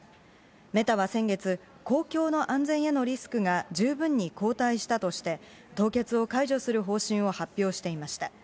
メタは先月、公共の安全へのリスクが十分に後退したとして、凍結を解除する方針を発表していました。